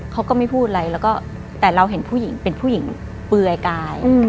เขาก็ไม่พูดอะไรแล้วก็แต่เราเห็นผู้หญิงเป็นผู้หญิงเปลือยกาย